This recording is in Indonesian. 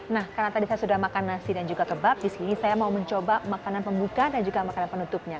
nah karena tadi saya sudah makan nasi dan juga kebab di sini saya mau mencoba makanan pembuka dan juga makanan penutupnya